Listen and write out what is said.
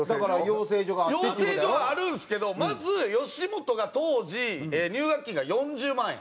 養成所はあるんですけどまず吉本が当時入学金が４０万円。